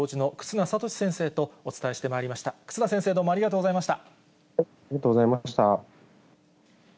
忽那先生、どうもありがとうございました。